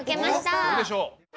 どうでしょう？